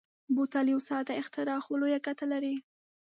بوتل یو ساده اختراع خو لویه ګټه لري.